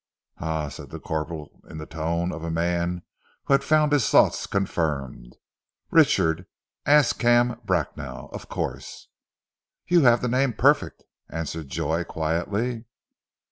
"Ah!" said the corporal in the tone of a man who had found his thoughts confirmed. "Richard Ascham Bracknell, of course." "You have the name perfect," answered Joy quietly.